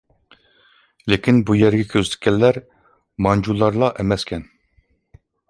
لېكىن بۇ يەرگە كۆز تىككەنلەر مانجۇلارلا ئەمەسكەن.